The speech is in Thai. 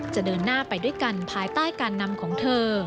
เดินหน้าไปด้วยกันภายใต้การนำของเธอ